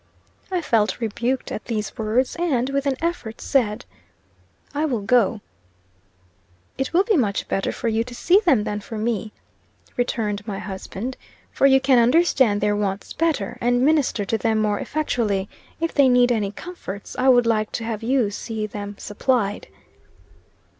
I felt rebuked at these words, and, with an effort, said: "I will go." "It will be much better for you to see them than for me," returned my husband, "for you can understand their wants better, and minister to them more effectually. If they need any comforts, I would like to have you see them supplied."